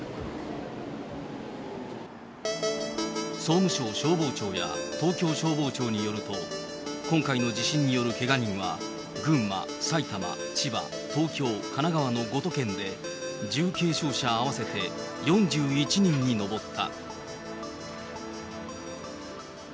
総務省消防庁や東京消防庁によると、今回の地震によるけが人は群馬、埼玉、千葉、東京、神奈川の５都県で重軽傷者合わせて４１人に上った。